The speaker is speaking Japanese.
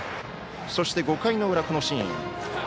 そして、５回の裏のシーン。